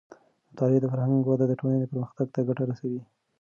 د مطالعې د فرهنګ وده د ټولنې پرمختګ ته ګټه رسوي.